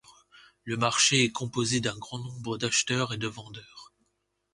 Le marché est composé d'un grand nombre d'acheteurs et de vendeurs.